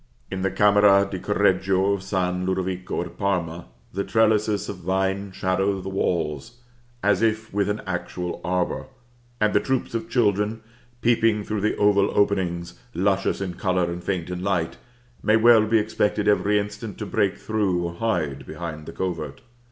In the Camera di Correggio of San Lodovico at Parma, the trellises of vine shadow the walls, as if with an actual arbor; and the troops of children, peeping through the oval openings, luscious in color and faint in light, may well be expected every instant to break through, or hide behind the covert.